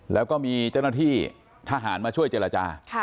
แล้วก็มีเจ้าหน้าที่ทหารมาช่วยเจรจา